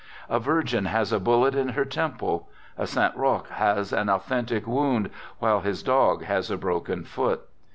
A Virgin has a bullet in her temple; a Saint Roque~Has an authentic wound, while his dog has a broken foot.